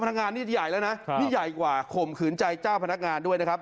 งานนี่ใหญ่แล้วนะนี่ใหญ่กว่าข่มขืนใจเจ้าพนักงานด้วยนะครับ